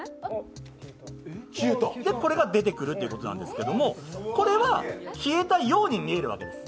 これが出てくるということなんですけれどもこれは消えたように見えるわけです。